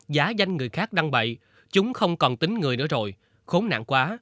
giá danh người khác đang bậy chúng không còn tính người nữa rồi khốn nạn quá